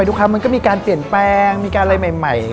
ก็มีการเปลี่ยนแปลงอะไรใหม่